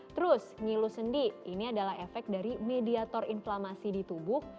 terus nyilu sendi ini adalah efek dari mediator inflamasi di tubuh